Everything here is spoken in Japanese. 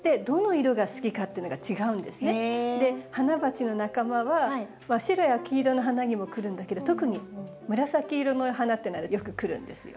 ハナバチの仲間は白や黄色の花にも来るんだけど特に紫色の花っていうのはよく来るんですよ。